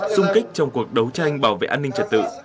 xung kích trong cuộc đấu tranh bảo vệ an ninh trật tự